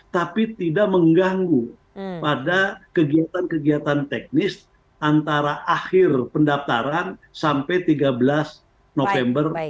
tapi tidak mengganggu pada kegiatan kegiatan teknis antara akhir pendaftaran sampai tiga belas november